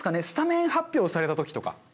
スタメン発表された時とか。